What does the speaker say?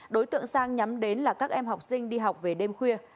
đối tượng sang nhắm đến là các em học sinh đi học về đêm khuya